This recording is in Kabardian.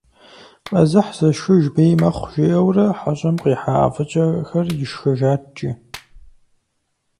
«Къэзыхь зышхыж бей мэхъу» жиӏэурэ, хьэщӏэм къихьа ӏэфӏыкӏэхэр ишхыжат, жи.